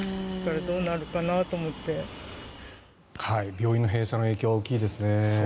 病院の閉鎖の影響は大きいですね。